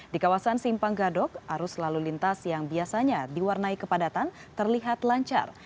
di kawasan simpang gadok arus lalu lintas yang biasanya diwarnai kepadatan terlihat lancar